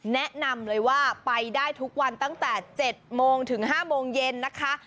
แนะนำเลยว่าไปได้ทุกวันตั้งแต่๗โมงถึง๕โมงเย็นนะคะ